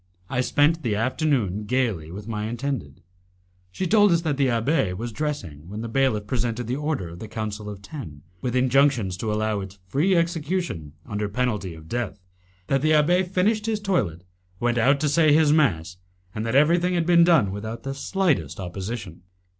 I spent the afternoon gaily with my intended. She told us that the abbé was dressing when the bailiff presented the order of the Council of Ten, with injunctions to allow its free execution under penalty of death; that the abbé finished his toilet, went out to say his mass, and that everything had been done without the slightest opposition.